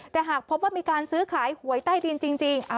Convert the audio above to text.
แต่หากพบว่ามีการซื้อขายหวยใต้ดินจริง